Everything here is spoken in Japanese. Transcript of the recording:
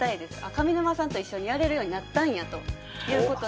上沼さんと一緒にやれるようになったんやということで。